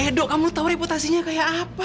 edo kamu tau reputasinya kayak apa